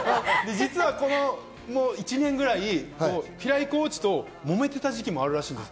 この１年くらい、平井コーチと揉めてた時期もあるらしいんです。